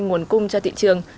nguồn cung cho thị trường